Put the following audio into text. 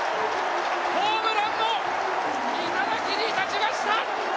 ホームランの頂に立ちました。